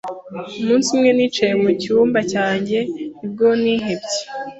Umunsi umwe nicaye mu cyumba cyanjye nibwo nihebye